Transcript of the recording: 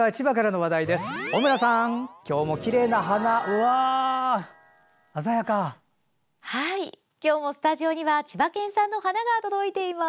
はい、今日もスタジオには千葉県産の花が届いています。